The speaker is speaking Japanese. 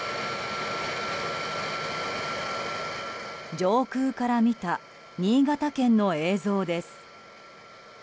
上空から見た新潟県の映像です。